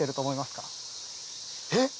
えっ？